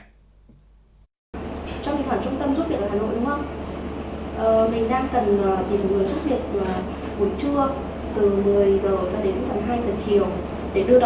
trong kỳ khoản trung tâm giúp việc ở hà nội mình đang cần tìm người giúp việc buổi trưa